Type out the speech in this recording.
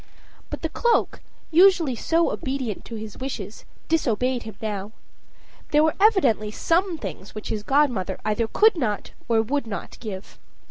But the cloak, usually so obedient to his wishes, disobeyed him now. There were evidently some things which his godmother either could not or would not give.